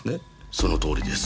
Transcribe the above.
そのとおりです。